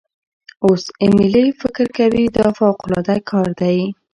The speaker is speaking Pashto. اوس ایمیلی فکر کوي دا فوقالعاده کار دی.